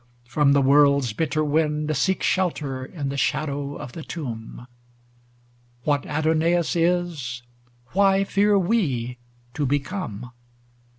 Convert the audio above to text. From the world's bitter wind Seek shelter in the shadow of the tomb. What Adonais is, why fear we to become